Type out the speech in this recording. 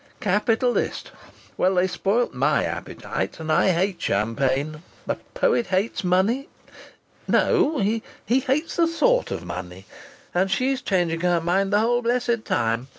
'Capitalist'! Well, they spoilt my appetite, and I hate champagne!... The poet hates money.... No, he 'hates the thought of money.' And she's changing her mind the whole blessed time!